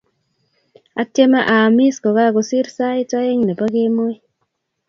atiemee aamiskokakosir saet oeng nepo kemoi.